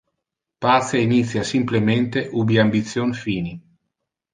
Pace initia simplemente ubi ambition fini.